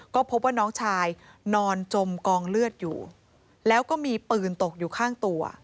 ก็พบว่าน้องชายนอนจมกองเลือดอยู่แล้วก็มีปืนตกอยู่ข้างตัว